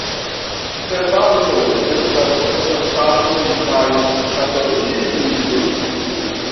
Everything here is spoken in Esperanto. Kredantoj estas protestantoj kaj katolikoj.